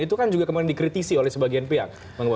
itu kan juga kemudian dikritisi oleh sebagian pihak